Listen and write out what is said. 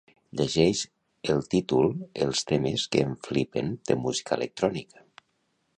Llegeix el títol els temes que em flipen de música electrònica.